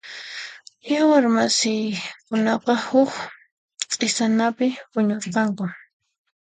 Yawar masiykunaqa huk q'isanapi puñurqanku.